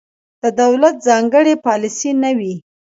د دولت ځانګړې پالیسي نه وي.